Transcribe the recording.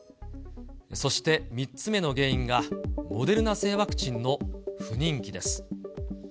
そして３つ目の原因が、モデルナ製ワクチンの不人気です。